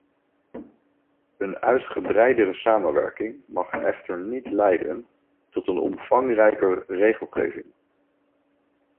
Een uitgebreidere samenwerking mag echter niet leiden tot een omvangrijker regelgeving.